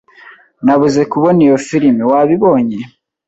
Nabuze kubona iyo firime. Wabibonye?